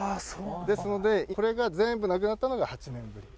ですのでこれが全部なくなったのが８年ぶり。